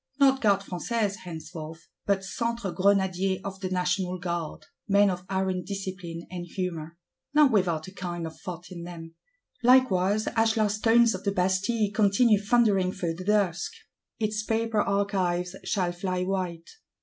Not Gardes Françaises henceforth, but Centre Grenadiers of the National Guard: men of iron discipline and humour,—not without a kind of thought in them! Likewise ashlar stones of the Bastille continue thundering through the dusk; its paper archives shall fly white.